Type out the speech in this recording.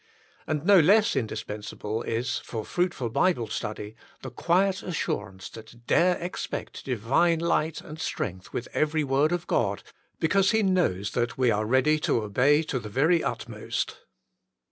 And no less indispensable is, for fruit ful Bible study, the quiet assurance that dare expect Divine light and strength with every word of God because He knows that we are ready to obey to the very utmost.